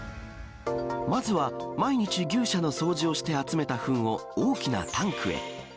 まずは毎日、牛舎の掃除をして集めたふんを大きなタンクへ。